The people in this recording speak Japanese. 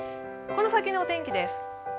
この先のお天気です。